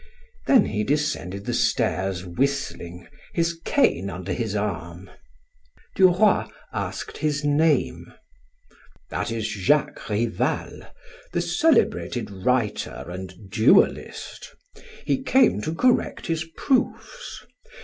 Then he descended the stairs whistling, his cane under his arm. Duroy asked his name. "That is Jacques Rival, the celebrated writer and duelist. He came to correct his proofs.